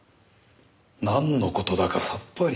なんの事だかさっぱり。